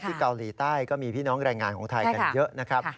เกาหลีใต้ก็มีพี่น้องแรงงานของไทยกันเยอะนะครับ